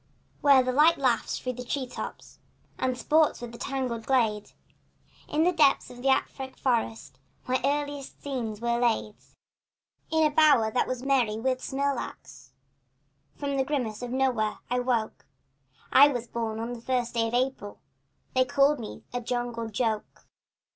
Where the light laughs in through the tree tops And sports with the tangled glade, In the depths of an Afric forest My earliest scenes were laid. In a bower that was merry with smilax From the grimace of no where, I woke I was born on the first day of April And they called me a jungle joke.